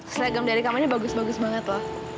slegam dari kamu ini bagus bagus banget loh